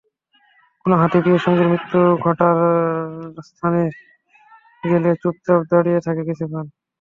কোনো হাতি প্রিয় সঙ্গীর মৃত্যু ঘটার স্থানে গেলে চুপচাপ দাঁড়িয়ে থাকে কিছুক্ষণ।